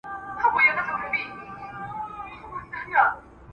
پخوا خلک مړینه د زړه له درېدو سره تړي.